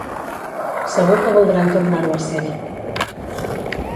Segur que voldran tornar-ho a ser.